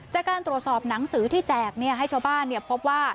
จากการตรวจสอบหนังสือที่แจกให้ชาวบ้านพบว่า